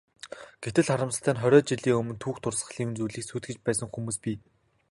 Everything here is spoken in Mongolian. Гэтэл, харамсалтай нь хориод жилийн өмнө түүх дурсгалын зүйлийг сүйтгэж байсан хүмүүс бий.